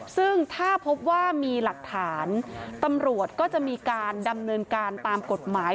ซึ่งถ้าพบว่ามีหลักฐานตำรวจก็จะมีการดำเนินการตามกฎหมาย